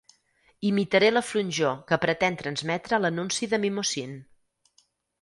Imitaré la flonjor que pretén transmetre l'anunci de Mimosín.